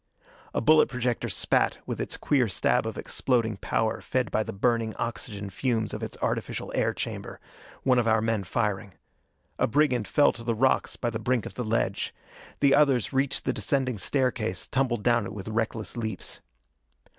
A bullet projector spat, with its queer stab of exploding powder fed by the burning oxygen fumes of its artificial air chamber one of our men firing. A brigand fell to the rocks by the brink of the ledge. The others reached the descending staircase, tumbled down it with reckless leaps.